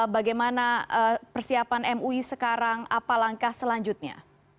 bagaimana persiapan mui sekarang apa langkah selanjutnya